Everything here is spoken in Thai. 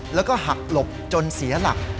แล้วก็หักหลบจนเสียหลัก